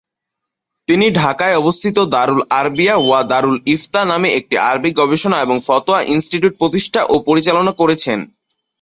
তিনি ঢাকায় অবস্থিত "দারুল-আরবিয়া ওয়া দারুল-ইফতা" নামে একটি আরবি-গবেষণা এবং ফতোয়া ইনস্টিটিউট প্রতিষ্ঠা ও পরিচালনা করেছেন।